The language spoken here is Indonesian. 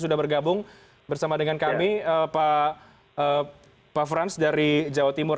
sudah bergabung bersama dengan kami pak frans dari jawa timur